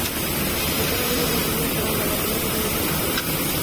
নিসার আলি বললেন, তুমি আর তোমার বাবা, তোমরা দু জন এখানে থাক?